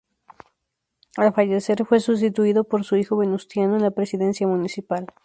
Al fallecer, fue sustituido por su hijo Venustiano en la presidencia municipal.